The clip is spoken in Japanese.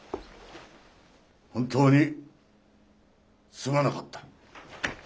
本当にすまなかった。